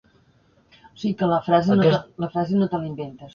Aquesta elecció es renova anualment, en l'obertura de cada període de sessions.